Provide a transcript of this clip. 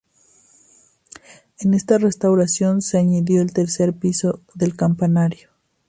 En esta restauración se añadió el tercer piso del campanario.